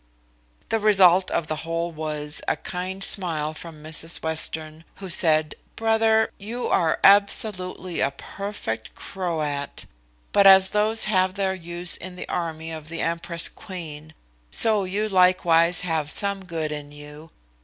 The result of the whole was a kind smile from Mrs Western, who said, "Brother, you are absolutely a perfect Croat; but as those have their use in the army of the empress queen, so you likewise have some good in you.